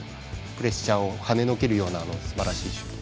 プレッシャーをはねのけるようなすばらしいシュート